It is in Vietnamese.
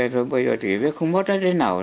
thôi bây giờ thì biết không mất hết thế nào